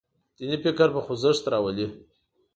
دیني فکر په خوځښت راولي.